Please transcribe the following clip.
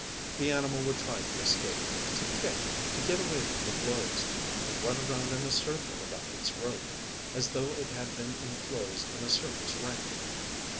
The animal would try to escape, to kick, to get away from the blows, and run around in a circle about its rope, as though it had been inclosed in a circus ring.